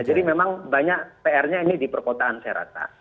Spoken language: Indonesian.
jadi memang banyak pr nya ini di perkotaan serata